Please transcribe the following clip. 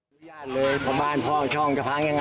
บุจริยานเลยเพราะบ้านพ่อช่องจะพ้างอย่างไร